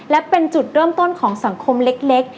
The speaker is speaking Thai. และเป็นจุดเริ่มต้นของสังคมเล็ก